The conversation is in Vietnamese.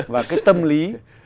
và cái tâm lý